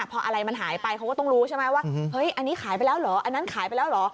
พออะไรมันหายไปเขาก็ต้องรู้ใช่ไหมว่าเฮ้ยอันนี้ขายไปแล้วเหรออันนั้นขายไปแล้วเหรอ